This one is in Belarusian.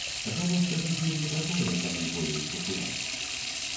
Гаворка ж ідзе не пра тое, каму болей спачуваць.